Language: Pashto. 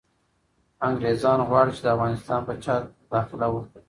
انګریزان غواړي چي د افغانستان په چارو کي مداخله وکړي.